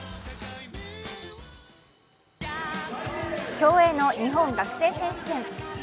競泳の日本学生選手権。